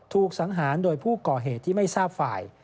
สังหารโดยผู้ก่อเหตุที่ไม่ทราบฝ่าย